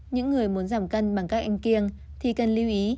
những người muốn giảm cân bằng các anh kiêng thì cần lưu ý